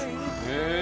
へえ。